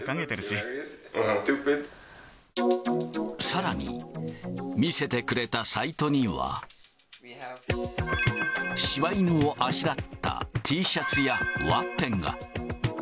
さらに、見せてくれたサイトには、柴犬をあしらったＴシャツやワッペンが。